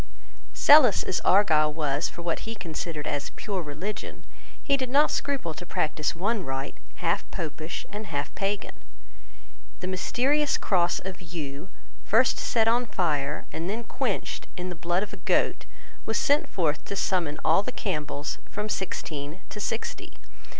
Zealous as Argyle was for what he considered as pure religion, he did not scruple to practice one rite half Popish and half Pagan. The mysterious cross of yew, first set on fire, and then quenched in the blood of a goat, was sent forth to summon all the Campbells, from sixteen to sixty.